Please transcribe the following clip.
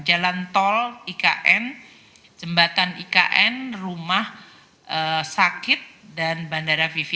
jalan tol ikn jembatan ikn rumah sakit dan bandara vivi